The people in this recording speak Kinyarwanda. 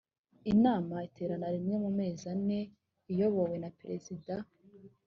inama iterana rimwe mu mezi ane iyobowe na perezida